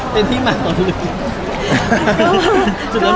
เป็นที่เหมาหรือ